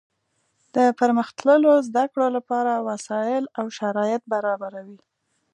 د پرمختللو زده کړو له پاره وسائل او شرایط برابروي.